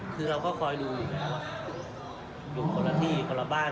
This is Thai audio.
คือเราก็คอยดูอยู่แล้วดูคนละที่คนละบ้าน